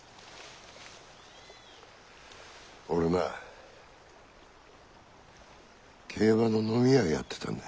俺な競馬のノミ屋やってたんだ。